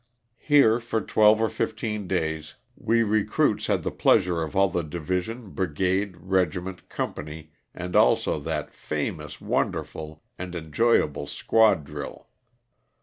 Here, for twelve or fifteen days, we recruits had the pleasure of all the division, brigade, regiment, company and also that famous, wonderful, and enjoy able squad drill.